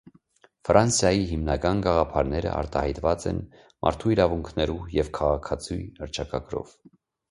Ֆրանսայի հիմնական գաղափարները արտայայտուած են մարդու իրաւունքներու եւ քաղաքացիի հռչակագրով։